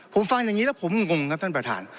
ผมฟังอย่างนี้แล้วผมงงครับท่านประธาน